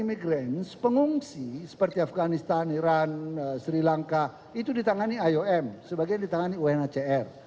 imigrans pengungsi seperti afganistan iran sri lanka itu ditangani iom sebagian ditangani unacr